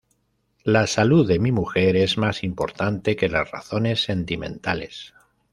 La salud de mi mujer es más importante que las razones sentimentales.